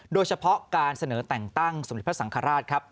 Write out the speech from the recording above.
โดยเฉพาะการเสนอแต่งตั้งสมเด็จพระสังฆราชครับ